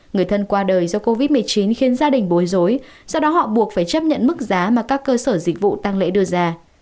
người thân qua đời do covid một mươi chín khiến gia đình bối rối do đó họ buộc phải chấp nhận mức giá mà các cơ sở dịch vụ tăng lễ đưa ra